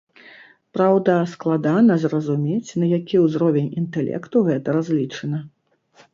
Праўда, складана зразумець, на які ўзровень інтэлекту гэта разлічана.